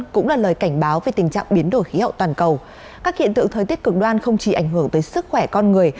các hiện tượng thời tiết cực đoan không chỉ ảnh hưởng tới sức khỏe con người